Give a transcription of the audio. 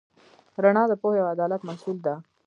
رڼا د پوهې او عدالت محصول ده.